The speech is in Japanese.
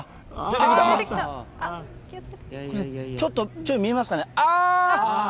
ちょっと、見えますかね？